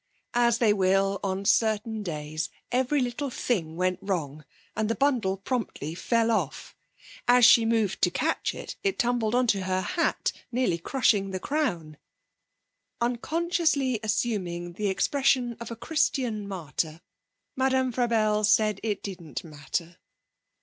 As they will on certain days, every little thing went wrong, and the bundle promptly fell off. As she moved to catch it, it tumbled on to her hat, nearly crushing the crown. Unconsciously assuming the expression of a Christian martyr, Madame Frabelle said it didn't matter.